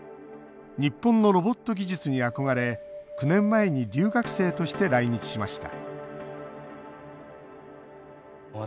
日本のロボット技術に憧れ９年前に留学生として来日しました